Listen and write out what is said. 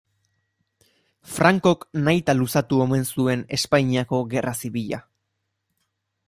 Francok nahita luzatu omen zuen Espainiako gerra zibila.